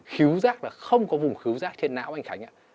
khứ giác là không có vùng khứ giác trên não anh khánh ạ